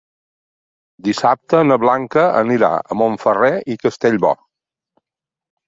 Dissabte na Blanca anirà a Montferrer i Castellbò.